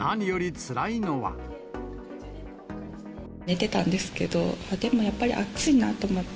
寝てたんですけど、でもやっぱり暑いなと思って。